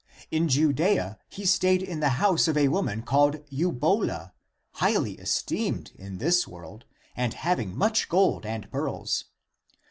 In Judea he stayed in the house of a woman called Eubola, highly es teemed in this world and having much gold and pearls.